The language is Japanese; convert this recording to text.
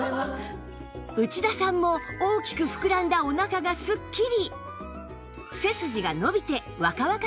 内田さんも大きく膨らんだお腹がスッキリ